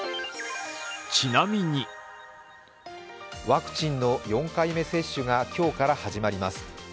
ワクチンの４回目接種が今日から始まります。